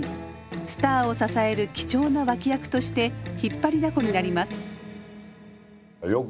スターを支える貴重な脇役として引っ張りだこになります。